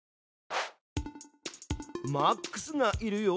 マックスがいるよ！